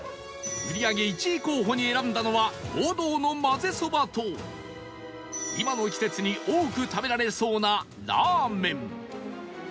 売り上げ１位候補に選んだのは王道のまぜそばと今の季節に多く食べられそうなラーメン